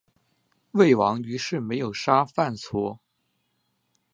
魏王于是没有杀范痤。